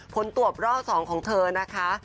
ผลตรวจรอบ๒ของเธอนะคะ